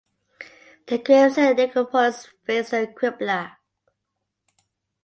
The graves in the necropolis face the qibla.